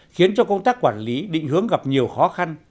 khiến cho công tác quản lý định hướng gặp nhiều khó khăn